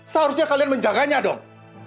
seharusnya kalian menjaganya dong